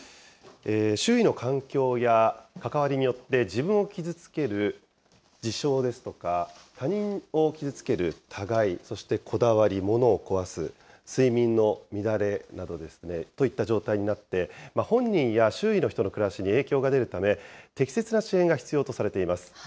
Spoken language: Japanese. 周囲の環境や関わりによって、自分を傷つける自傷ですとか、他人を傷つける他害、そしてこだわり、ものを壊す、睡眠の乱れなどといった状態になって、本人や周囲の人の暮らしに影響が出るため、適切な支援が必要とされています。